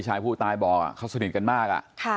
ชายผู้ตายบอกเขาสนิทกันมาก